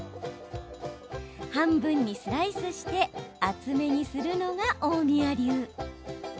半分にスライスして厚めにするのが大宮流。